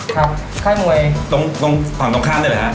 ครับค่ายมวยตรงฝั่งตรงข้างได้ไหมฮะ